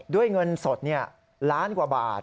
ด้วยเงินสดล้านกว่าบาท